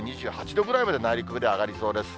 ２８度ぐらいまで内陸部で上がりそうです。